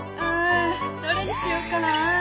うんどれにしようかな？